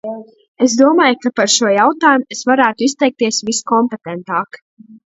Es domāju, ka par šo jautājumu es varētu izteikties viskompetentāk.